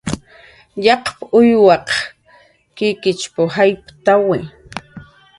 "Yaqp"" uywaq kikichp"" jayptawi"